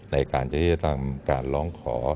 ในการที่จะทำการร้องขอ